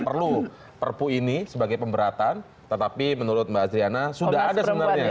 komnas perempuan sudah ada